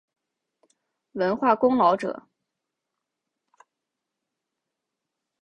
文化功劳者。